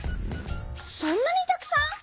そんなにたくさん！